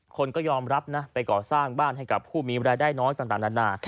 คนก็ยอมรับนะไปก่อสร้างบ้านให้กับผู้มีรายได้น้อยต่างนานา